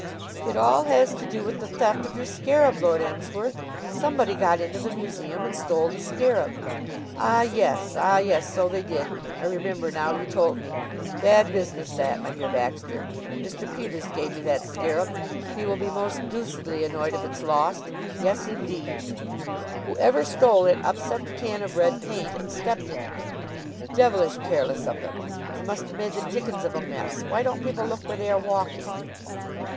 "It all has to do with the theft of your scarab, Lord Emsworth. Somebody got into the museum and stole the scarab." "Ah, yes; ah, yes so they did. I remember now. You told me. Bad business that, my dear Baxter. Mr. Peters gave me that scarab. He will be most deucedly annoyed if it's lost. Yes, indeed." "Whoever stole it upset the can of red paint and stepped in it." "Devilish careless of them. It must have made the dickens of a mess. Why don't people look where they are walking?"